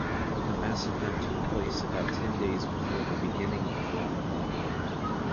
The massacre took place about ten days before the beginning of Ramadan.